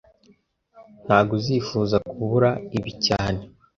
Ntago uzifuza kubura ibi cyane